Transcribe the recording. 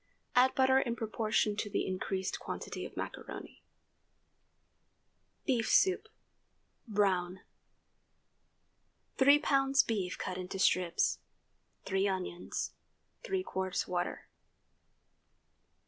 Add butter in proportion to the increased quantity of macaroni. BEEF SOUP (brown). 3 lbs. beef cut into strips. 3 onions. 3 qts. water.